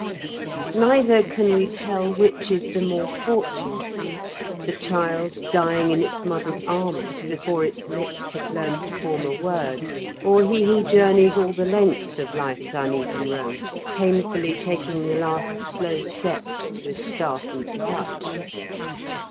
Neither can we tell which is the more fortunate, the child dying in its mother's arms before its lips have learned to form a word, or he who journeys all the length of life's uneven road, painfully taking the last slow steps with staff and crutch.